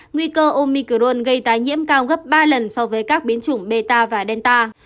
nguy cơ omicron gây tái nhiễm cao gấp ba lần so với các biến chủng meta và delta